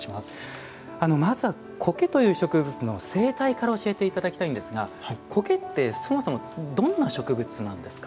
まずは苔という植物の生態から教えていただきたいんですが苔って、そもそもどんな植物なんですか。